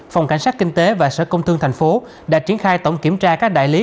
phòng cảnh sát kinh tế và sở công thương thành phố đã triển khai tổng kiểm tra các đại lý